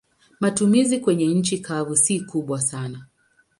Matumizi kwenye nchi kavu si kubwa sana.